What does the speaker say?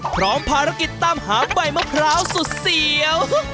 พร้อมภารกิจตามหาใบมะพร้าวสุดเสียว